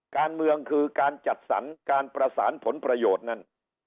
การเมืองคือการจัดสรรการประสานผลประโยชน์นั่น